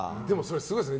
すごいですね。